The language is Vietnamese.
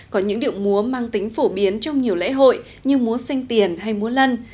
có những điệu múa mang tính phổ biến trong nhiều lễ hội như múa xanh tiền hay múa lân